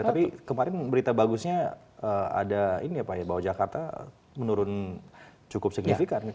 tapi kemarin berita bagusnya ada ini ya pak ya bahwa jakarta menurun cukup signifikan